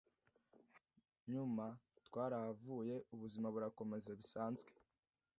Nyuma twarahavuye ubuzima burakomeza bisanzwe